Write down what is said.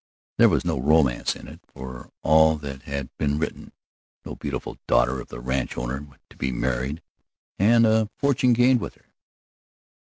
There was no romance in it, for all that had been written, no beautiful daughter of the ranch owner to be married, and a fortune gained with her.